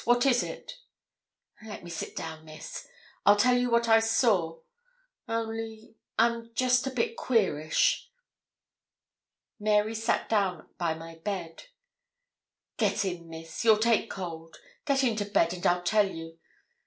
What is it?' 'Let me sit down, Miss. I'll tell you what I saw; only I'm just a bit queerish.' Mary sat down by my bed. 'Get in, Miss; you'll take cold. Get into bed, and I'll tell you.